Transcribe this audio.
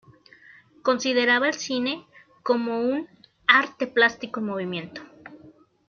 Consideraba el cine como un "arte plástico en movimiento".